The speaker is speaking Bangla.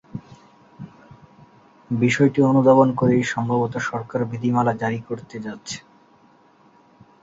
বিষয়টি অনুধাবন করেই সম্ভবত সরকার বিধিমালা জারি করতে যাচ্ছে।